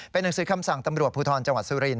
เป็นหนังสือคำสั่งตำรวจภูทรจังหวัดสุรินท